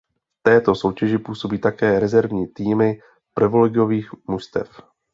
V této soutěži působí také rezervní týmy prvoligových mužstev.